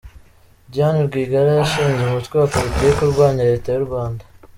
Diane Rwigara yashinze umutwe wa Politiki urwanya Leta y’u Rwanda